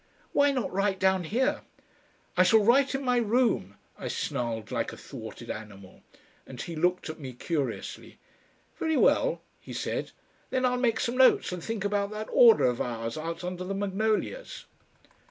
"Why not write down here?" "I shall write in my room," I snarled like a thwarted animal, and he looked at me curiously. "Very well," he said; "then I'll make some notes and think about that order of ours out under the magnolias."